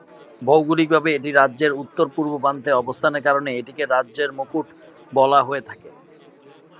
ভৌগোলিকভাবে এটি রাজ্যের উত্তর-পূর্ব প্রান্তে অবস্থানের কারণে এটিকে "রাজ্যের মুকুট" বলা হয়ে থাকে।